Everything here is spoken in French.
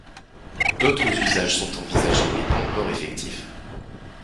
D'autres usages sont envisagés mais pas encore effectifs.